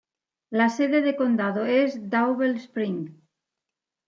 La sede de condado es Double Springs.